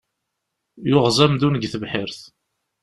Yuɣez amdun deg tebḥirt.